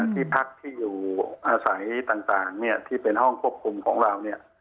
ที่พักที่อยู่อาศัยต่างที่เป็นห้องควบคุมของเราเนี่ย